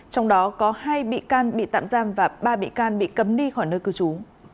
trong đó có hai bị can bị tạm giam và ba bị can bị cấm đi khỏi nơi cư trú